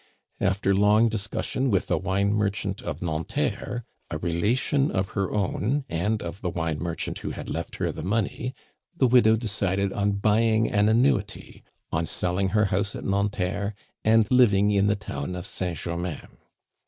After long discussion with a wine merchant of Nanterre, a relation of her own and of the wine merchant who had left her the money, the widow decided on buying an annuity, on selling her house at Nanterre, and living in the town of Saint Germain.